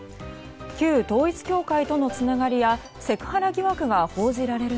旧統一教会とのつながりやセクハラ疑惑が報じられる